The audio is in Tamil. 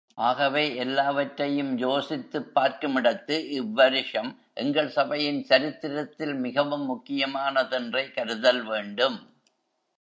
ஆகவே எல்லாவற்றையும் யோசித்துப் பார்க்குமிடத்து, இவ்வருஷம், எங்கள் சபையின் சரித்திரத்தில் மிகவும் முக்கியமானதென்றே கருதல் வேண்டும்.